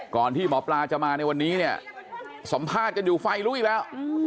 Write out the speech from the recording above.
ก่อนที่หมอปลาจะมาในวันนี้สัมภาษณ์กันอยู่ไฟรู้อีกแล้ว